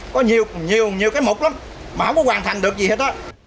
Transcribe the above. có nhiều cái mục lắm mà không có hoàn thành được gì hết đó